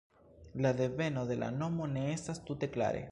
La deveno de la nomo ne estas tute klare.